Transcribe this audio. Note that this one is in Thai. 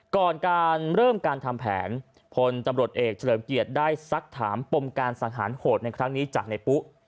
ก่อนการเริ่มการทำแผนพลตำรวจเอกเฉลิมเกียรติได้สักถามปมการสังหารโหดในครั้งนี้จากในปุ๊